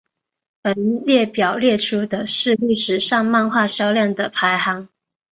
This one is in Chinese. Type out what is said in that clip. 本列表列出的是历史上漫画销量的排行。